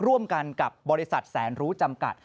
ร่วมกันกับบริษัทแสนรู้จำกัด